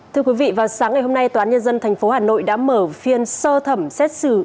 thưa quý vị vào sáng ngày hôm nay tòa án nhân dân tp hà nội đã mở phiên sơ thẩm xét xử